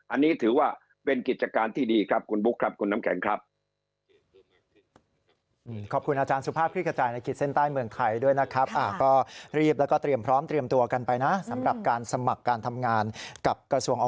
อันนี้ถือว่าเป็นกิจการที่ดีครับคุณบุ๊คครับคุณน้ำแข็งครับ